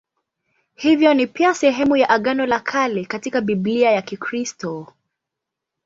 Hivyo ni pia sehemu ya Agano la Kale katika Biblia ya Kikristo.